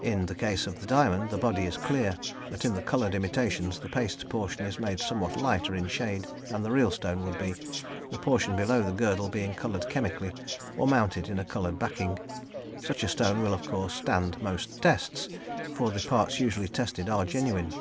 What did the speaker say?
In the case of the diamond, the body is clear, but in the coloured imitations the paste portion is made somewhat lighter in shade than the real stone would be, the portion below the girdle being coloured chemically, or mounted in a coloured backing. Such a stone will, of course, stand most tests, for the parts usually tested are genuine.